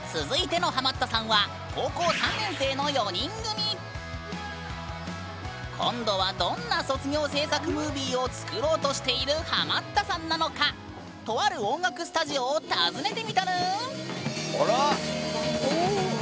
続いてのハマったさんは今度はどんな卒業制作ムービーを作ろうとしているハマったさんなのか⁉とある音楽スタジオを訪ねてみたぬん！